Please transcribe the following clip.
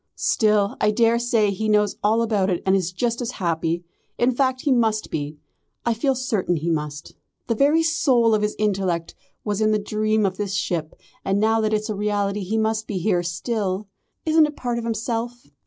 Still, I daresay he knows all about it and is just as happy. In fact he must be. I feel certain he must. The very soul of his intellect was in the dream of this ship, and now that it's a reality he must be here still. Isn't it part of himself?